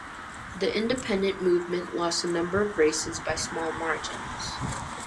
The Independent Movement lost a number of races by small margins.